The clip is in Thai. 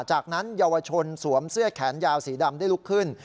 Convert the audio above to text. จากนั้นเยาวชนสวมเสื้อแขนยาวสีดำได้ลุกขึ้น